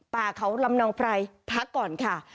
ป่าเขาลำเนาไพรพักก่อนค่ะ